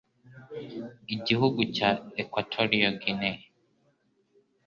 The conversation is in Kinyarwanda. Igihugu cya Equatorial Guinea